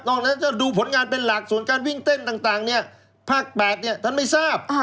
นั้นถ้าดูผลงานเป็นหลักส่วนการวิ่งเต้นต่างเนี่ยภาค๘ท่านไม่ทราบ